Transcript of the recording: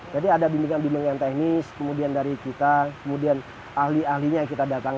jadi ada bimbingan bimbingan teknis kemudian dari kita kemudian ahli ahlinya yang kita datang